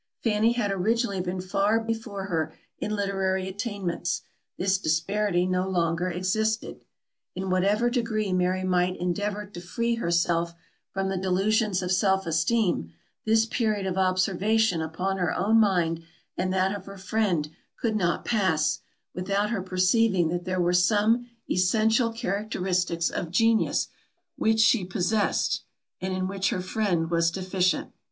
Fanny had originally been far before her in literary attainments; this disparity no longer existed. In whatever degree Mary might endeavour to free herself from the delusions of self esteem, this period of observation upon her own mind and that of her friend, could not pass, without her perceiving that there were some essential characteristics of genius, which she possessed, and in which her friend was deficient.